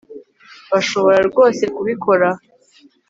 bashobora rwose kubikora